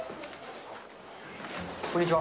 こんにちは。